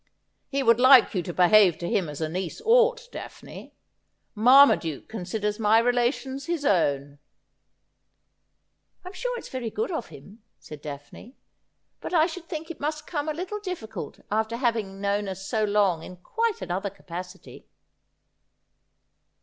' He would like you to behave to him as a niece ought, Daphne. Marmaduke considers my relations his own.' ' I'm sure it is very good of him,' said Daphne, ' but I should think it must come a little difficult after having known us so long in quite another capacity.'